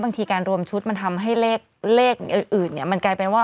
บางทีการรวมชุดมันทำให้เลขอื่นเนี่ยมันกลายเป็นว่า